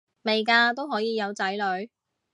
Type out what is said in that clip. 未嫁都可以有仔女